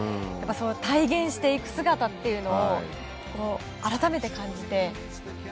体現していく姿というのを改めて感じて。